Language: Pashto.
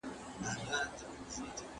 ¬ د نورو که تلوار دئ، ما تې په لمن کي راکه.